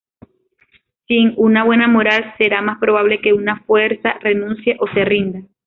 Sin una buena moral, será más probable que una fuerza renuncie o se rinda.